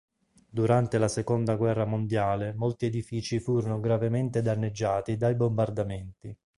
Durante la seconda guerra mondiale molti edifici furono gravemente danneggiati dai bombardamenti.